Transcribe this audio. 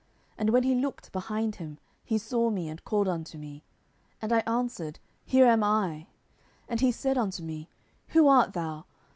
10:001:007 And when he looked behind him, he saw me, and called unto me. And I answered, Here am I. 10:001:008 And he said unto me, Who art thou?